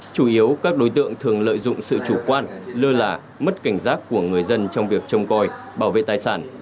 chủ yếu các đối tượng thường lợi dụng sự chủ quan lơ là mất cảnh giác của người dân trong việc trông coi bảo vệ tài sản